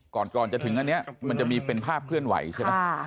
ก่อนจะถึงอันนี้มันจะมีเป็นภาพเคลื่อนไหวใช่ไหม